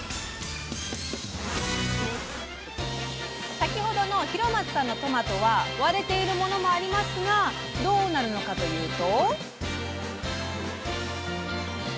先ほどの広松さんのトマトは割れているものもありますがどうなるのかというと。